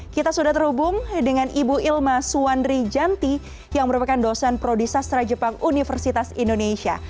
kita sudah terhubung dengan ibu ilma suandri janti yang merupakan dosen prodisastra jepang universitas indonesia